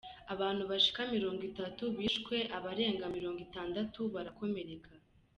Abantu bashika mirongo itatu bishwe abarenga mirongo itandatu barakomereka.